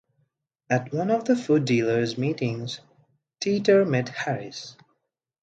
At one of the Food Dealers meetings, Teeter met Harris.